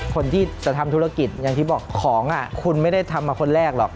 คนที่จะทำธุรกิจอย่างที่บอกของคุณไม่ได้ทำมาคนแรกหรอก